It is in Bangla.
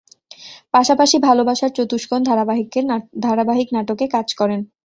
পাশাপাশি "ভালোবাসার চতুষ্কোণ" ধারাবাহিক নাটকে কাজ করেন।